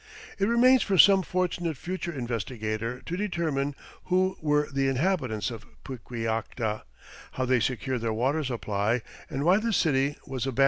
It remains for some fortunate future investigator to determine who were the inhabitants of Piquillacta, how they secured their water supply, and why the city was abandoned.